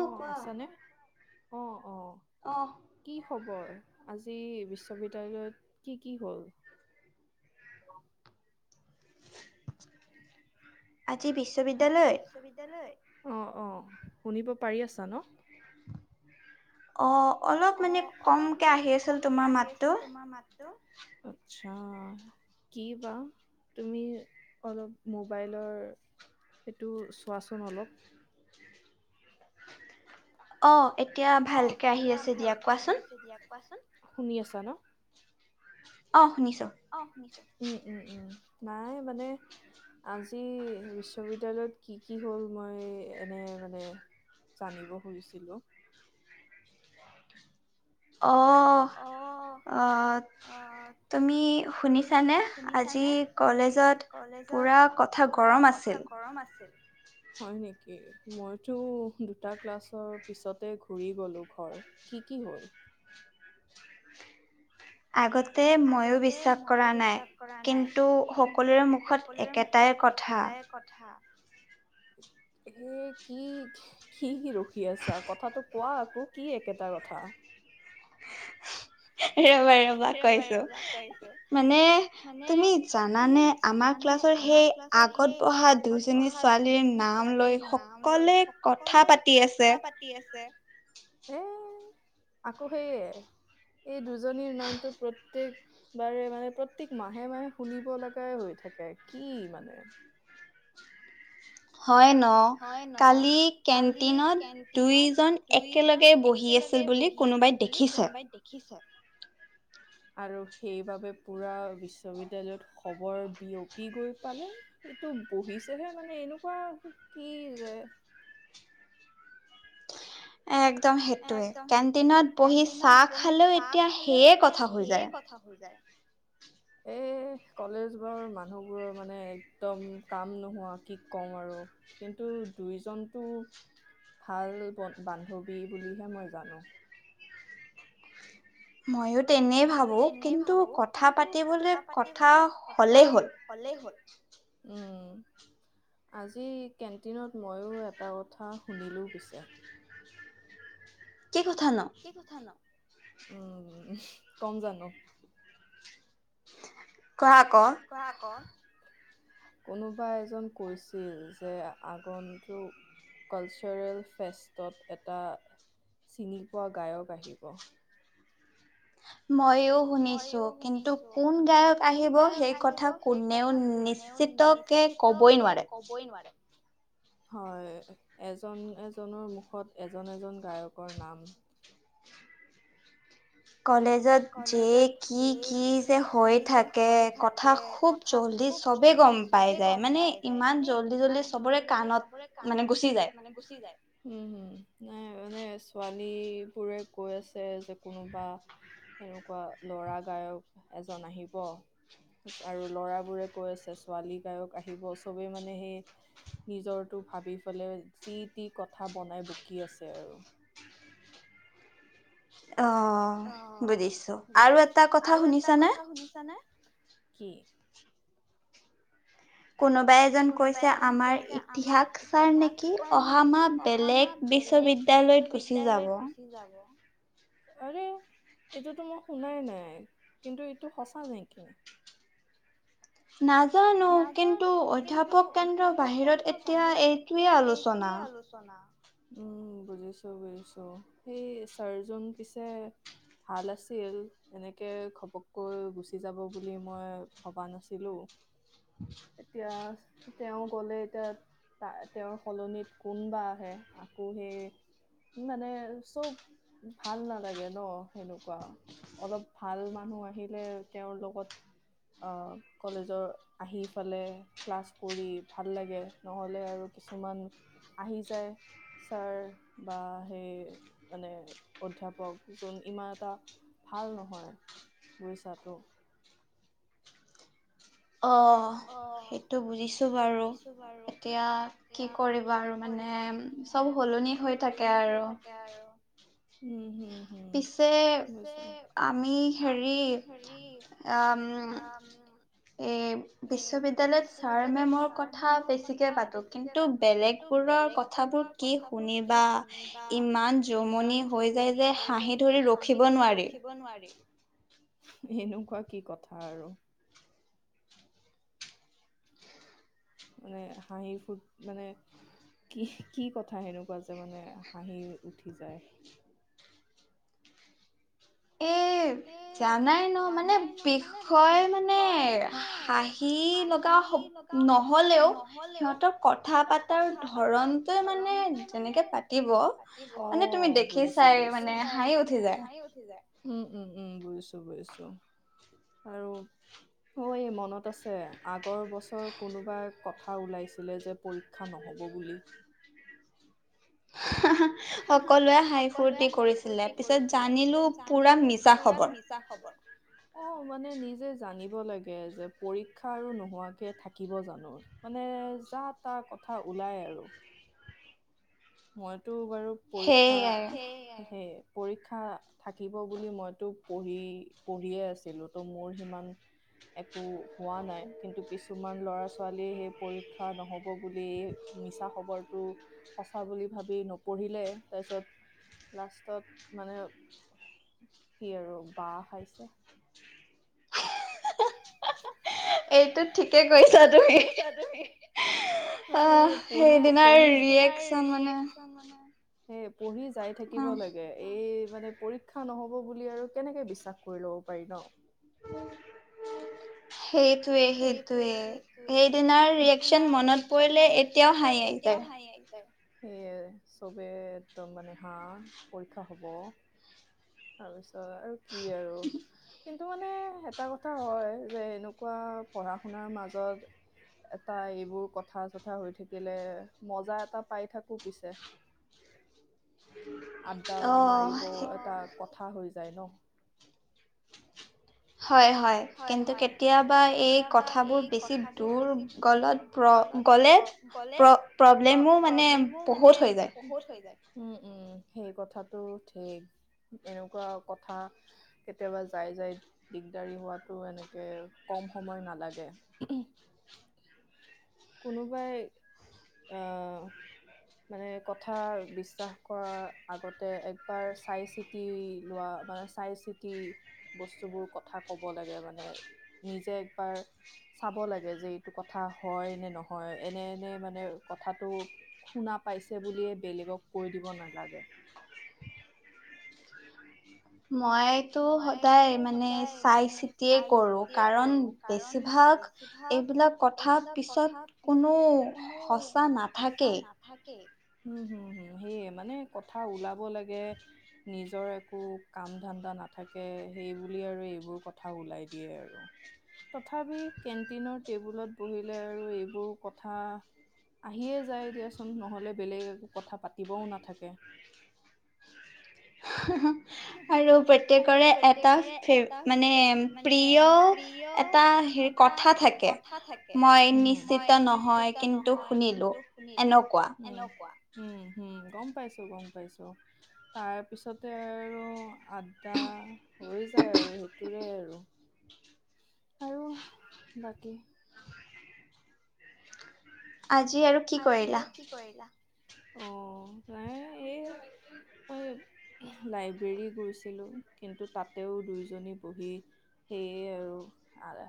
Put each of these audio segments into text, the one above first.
অ আছানে অ অ কি খবৰ আজি বিশ্ববিদ্যালয়ত কি কি হ'ল? আজি বিশ্ববিদ্যালয়ত অ অ শুনিব পাৰি আছা ন অ অ অলপ মানে কমকে আহি আছিল তোমাৰ মাততো আচ্ছা কি বা তুমি অলপ মোবাইলৰ সেইটো চোৱাচোন অলপ অ অ এতিয়া ভালকে আহি আছে দিয়া কোৱাচোন শুনি আছা ন অ শুনিছো! অ শুনিছো উম উম উম নাই মানে আজি বিশ্ববিদ্যালয়ত কি কি হল মই এনে মানে জানিব খুজিছিলো। অঁ তুমি শুনিছানে আজি কলেজত পুৰা কথা গৰম আছিল। হয় নেকি মইতো দুটা ক্লাছৰ পিছতে ঘূৰি গলো ঘৰ কি কি হ'ল আগতে ময়ো বিশ্বাস কৰা নাই কিন্তু সকলোৰে মুখত একেটাই কথা এ কি কি কিৰো সখি আছা কথাটো কোৱা আকৌ কি একেটা কথা ৰবা ৰবা কৈছো মানে তুমি জানানে আমাৰ ক্লাছৰ সেই আগত বঢ়া দুজনী ছোৱালীৰ নাম লৈ সকলে কথা পাতি আছে। আকৌ সেইয়ে এই দুই জনী জনীৰ নামটো প্ৰত্যেক বাৰে মানে প্ৰত্যেক মাহে মাহে শুনিব লগাই হৈ থাকে কি মানে অ [inaudible] হয় ন কালি কেণ্টিনত দুইজন একেলগে বহি আছিল বুলি কোনোবাই দেখিছে আৰু সেইবাবে পুৰা বিশ্ববিদ্যালয়ত খবৰ বিয়পি গৈ পালে এইটো বহিছেহে মানে এনেকুৱা কি যে এক একদম সেইটোৱে কেণ্টিনত বহি চাহ খালেও এতিয়া সেয়ে কথা হৈ যায় এ কলেজ বৰ মানুহবোৰৰ মানে একদম কাম নোহোৱা কি কওঁ আৰু বুলিহে মই জানো ময়ো তেনেই ভাবোঁ কিন্তু কথা পাতিবলে কথা হ'লেই হ'ল উম, আজি কেণ্টিনত ময়ো এটা কথা শুনিলোঁ পিছে কি কথা নো উম কম জানো [unintelligible] কোৱা ক কোনোবা এজন কৈছিল যে আগন্তুক কালচাৰেল ফেষ্টত এটা চিনি পোৱা গায়ক আহিব ময়ো শুনিছো কিন্তু কোন গায়ক আহিব সেই কথা কোনেও নিশ্চিতকে কবই নোৱাৰে হয় এজন এজনৰ মুখত এজন এজন গায়কৰ নাম [inaudible] কলেজত যে কি কি যে হৈ থাকে কথা খুব জল্দি চবে গম পাই যায় মানে ইমান জল্দি জল্দি চবৰে কাণত মানে গুচি যায়, উম হোম মানে ছোৱালী ছোৱালীবোৰে কৈ আছে যে কোনোবা হেনো অ ল'ৰা গায়ক এজন আহিব আৰু ল'ৰাবোৰে কৈ আছে ছোৱালী গায়ক আহিব চবেই মানে সেই নিজৰটো ভাবি পেলাই যি টি কথা বনাই বকি আছে আৰু [unintelligible] অ বুজিছো আৰু এটা কথা শুনিছানে কি কোনোবাই এজন কৈছে আমাৰ ইতিহাস ছাৰ নেকি অহা মাহ বেলেগ বিশ্ববিদ্যালয়ত গুচি যাব আৰে এইটোতো মই শুনাই নাই কিন্তু এইটো সঁচা নেকি নাজানো কিন্তু অধ্যাপক কেন্দ্ৰৰ বাহিৰত এতিয়া এইটোৱেই আলোচনা উম বুজিছো বুজিছো সেই ছাৰজন পিছে ভাল আছিল এনেকে ঘপককৈ গুচি যাব বুলি মই ভবা নাছিলো এতিয়া তেওঁ গ'লে এতিয়া তেওঁৰ সলনি কোন বা আহে আকৌ সেই মানে চব ভাল নালাগে ন সেনেকুৱা অলপ ভাল মানুহ আহিলে তেওঁৰ লগত আহ কলেজৰ আহি পালে ক্লাছ কৰি ভাল লাগে নহ'লে আৰু কিছুমান আহি যায় ছাৰ বা সেই মানে অধ্যাপক যোন ইমান এটা ভাল নহয় বুইছাটো অ সেইটো বুজিছো বাৰু এতিয়া কি কৰিবা আৰু মানে চব সলনি হৈ থাকে আৰু পিছে আমি হেৰি আম এই বিশ্ববিদ্যয়ালয়ত ছাৰ মেমৰ কথা বেছিকে পাতো কিন্তু বেলেগবোৰৰ কথাবোৰ কি শুনিবা ইমান জমনি হৈ যায় যে হাঁহি ধৰি ৰখিব নোৱাৰি এনেকোৱা কি কথা আৰু মানে হাঁহি ফুৰ মানে কি কি কথা সেনেকোৱা যে মানে হাঁহি উঠি যায় এই জানাই ন মানে বিষয় মানে হাঁহি লগা হ নহলেও সিহঁতৰ কথা পাতাৰ ধৰণটোৱে মানে যেনেকে পাতিব মানে তুমি দেখি চাই মানে হাঁহি উঠি যায় উম উম উম বুজিছো বুজিছো আৰু এই মনত আছে আগৰ বছৰ কোনোবা কথা ওলাইছিলে যে পৰীক্ষা নহ'ব বুলি সকলোৱে হাঁহি ফূৰ্তি কৰিছিলে পিছত জানিলো পুৰা মিছা খবৰ অ মানে নিজে জানিব লাগে যে পৰীক্ষা আৰু নোহোৱাকে থাকিব জানো মানে যা তা কথা ওলাই আৰু মইতো বাৰু পৰীক্ষা পৰীক্ষা থাকিব বুলি মইতো পঢ়ি পঢ়িয়ে আছিলো তো মোৰ সিমান একো হোৱা নাই কিন্তু কিছুমান ল'ৰা ছোৱালীয়ে সেই প খা নহওক বুলি মিছা খবৰটো সচা বুলি ভাবি নপঢ়িলে তাৰপিছত লাষ্টত মানে কি আৰু বাঁহ খাইছে এইটো ঠিকে কৈছা তুমি পঢ়ি পঢ়ি সেইদিনাৰ ৰিয়েকচন মানে সেই পঢ়ি যাই থাকিব লাগে এই মানে পৰীক্ষা নহব বুলি আৰু কেনেকে বিশ্বাস কৰি লব পাৰি ন [unintelligible] সেইটোৱে সেইটোৱে সেইদিনাৰ ৰিয়েকচন মনত পৰিলে এতিয়াও হাঁহি আহি যায় সেয়ে চবে একদম মানে হা পৰীক্ষা হব তাৰপিছত আৰু কি আৰু কিন্তু টো মানে এটা কথা হয় যে এনেকোৱা পঢ়া শুনাৰ মাজত এটা এইবোৰ কথা চথা হৈ থাকিলে মজা এটা পাই থাকো পিছে আড্ডা মাৰিব এটা কথা হৈছে যাই ন হয় হয় কিন্তু কেতিয়াবা এই কথাবোৰ বেছি দূৰ গলত প্ৰ গ'লে প্ৰ প্ৰব্লেমো মানে বহুত হৈ যায় উম উম সেই কথাটো ঠিক এনেকোৱা কথা কেতিয়াবা যাই যাই দিগদাৰি হোৱাত টো এনেকে কম সময় নালাগে কোনোবাই আহ মানে কথা বিশ্বাস কৰাৰ আগতে একবাৰ চাই চিতি লোৱা মানে চাই চিতি বস্তুবোৰ কথা কব কব লাগে মানে নিজে একবাৰ চাব লাগে যে এইটো কথা হয় নে নহয় এনে এনে মানে কথাটো শুনা পাইছে বুলিয়ে বেলেগক কৈ দিব নালাগে মইটো সদায় মানে চাই চিতিয়ে কৰোঁ কাৰণ বেছিভাগ এইবিলাক কথা পিছত কোনো সঁচা নাথাকেই হম হম হম সেয়ে মানে কথা ওলাব লাগে নিজৰ একো কাম ধান্দা ন নাথাকে সেইবুলি আৰু এইবোৰ কথা ওলাই দিয়ে আৰু তথাপি কেণ্টিনৰ টেবুলত বহিলে আৰু এইবোৰ কথা আহিয়ে যায় দিয়াচোন নহলে বেলেগ একো কথা পাতিবও নাথাকে আৰু প্ৰত্যয়ে কৰে এটা ফেভ মানে প্ৰিয় এটা হেৰি কথা থাকে মই নিশ্চিত নহয় কিন্তু শুনিলো এনেকোৱা উম হম গম পাইছো গম পাইছো তাৰ পিছত। আৰু আড্ডা হৈ যায় আৰু সেইটোৰে আৰু। আৰু বাকী। আজি আৰু কি কৰিলা। অ প্ৰায়। মই লাইব্ৰেৰী গৈছিলো কিন্তু তাতেও দুইজনী বহি সেয়ে আৰু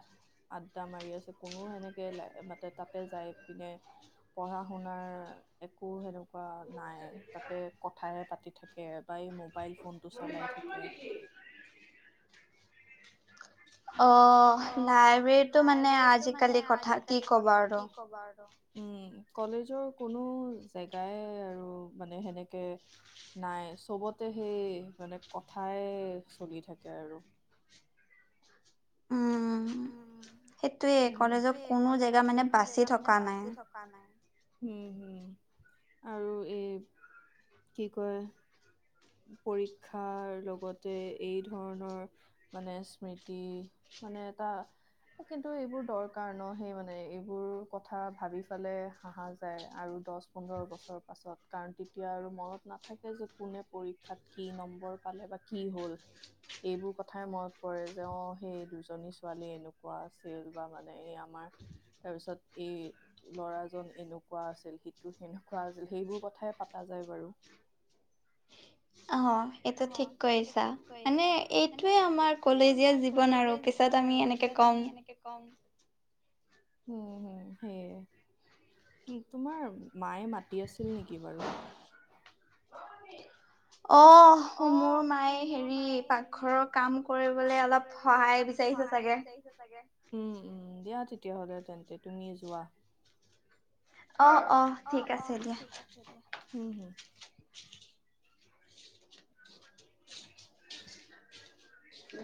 আড্ডা মাৰি আছে কোনো সেনেকে মাতে তাতে যাই পিনে। পঢ়া শুনাৰ একো সেনেকুৱা নাই তাতে কথাহে পাতি থাকে বা এই মোবাইল ফোন। টো চলাই থাকে। অ লাইব্ৰেৰীতটো মানে আজিকালি কথা কি ক'ব আৰু। উম কলেজৰ কোনো জেগাই আৰু মানে সেনেকে নাই চবতে সেই মানে কথাই চলি থাকে আৰু। উম সেইটোয়ে কলেজৰ কোনো জেগা মানে বাচি থকা নাই। উম হম আৰু এই কি কয় পৰীক্ষাৰ লগতে এই ধৰণৰ মানে স্মৃতি মানে। এ কিন্তু এইবোৰ দৰকাৰ ন সেই মানে এইবোৰ কথা ভাবি ফালে হাহা যায় আৰু দহ পোন্ধৰ বছৰ পাছত কাৰণ তেতিয়া আৰু মনত নাথাকে যে কোনে পৰীক্ষাত কি নম্বৰ পালে বা কি হল এইবোৰ কথাই মনত পৰে যে অ সেই দুজনী। ছোৱালী এনেকুৱা আছিল বা মানে এই আমাৰ তাৰপিছত এই ল'ৰাজন এনেকুৱা আছিল সিটো সেনেকুৱা আছিল সেইবোৰ কথাই পাতা যায় বাৰু। অ এইটো ঠিক কৰিছা মানে এইটোৱে আমাৰ কলেজীয়া জীৱন আৰু পিছত আমি এনেকে কম। উম হম সেয়ে তোমাৰ মায়ে মাতি আছিল নেকি বাৰু। অ মোৰ মায়ে হেৰি পাকঘৰৰ কাম কৰিবলৈ অলপ সহায় বিচাৰিছে চাগে। উম উম দিয়া তেতিয়াহলে তেন্তে তুমি যোৱা। অ অ ঠিক আছে দিয়া হম হম। [unintelligible] উ